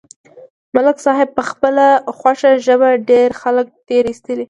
ملک صاحب په خپله خوږه ژبه ډېر خلک تېر ایستلي دي.